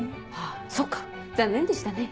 あそっか残念でしたね。